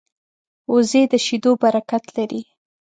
وزې د شیدو برکت لري